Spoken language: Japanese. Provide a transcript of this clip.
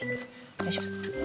よいしょ。